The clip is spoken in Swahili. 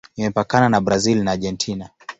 Imepakana na Brazil na Argentina.